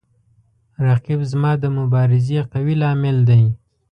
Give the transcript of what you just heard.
رقیب زما د مبارزې قوي لامل دی